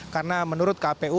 karena menurut kpu